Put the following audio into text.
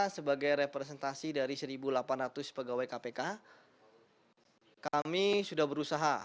sebagai representasi dari satu delapan ratus pegawai kpk kami sudah berusaha